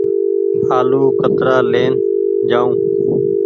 آلو ڪترآ لين جآئو۔